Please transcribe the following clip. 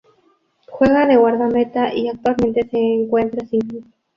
Juega de guardameta y actualmente se encuentra sin club.